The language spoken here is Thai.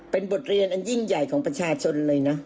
เป็นบทเรียนอันยิ่งใหญ่ของประชาชนเลยนะ